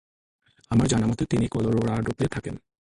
আমার জানামতে তিনি কলোরাডোতে থাকেন।